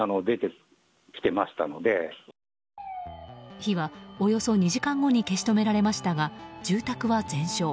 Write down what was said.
火はおよそ２時間後に消し止められましたが住宅は全焼。